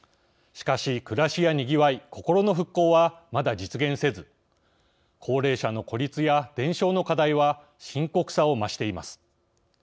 しかし、暮らしやにぎわい心の復興はまだ実現せず高齢者の孤立や伝承の課題は深刻さを増しています。